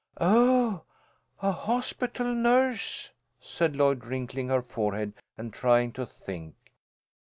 "Oh, a hospital nurse!" said Lloyd, wrinkling her forehead and trying to think.